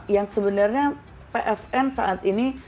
yang sebenarnya pfn saat ini